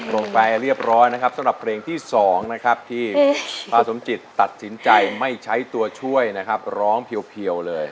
ลงไปเรียบร้อยนะครับสำหรับเพลงที่๒นะครับที่ป้าสมจิตตัดสินใจไม่ใช้ตัวช่วยนะครับร้องเพียวเลย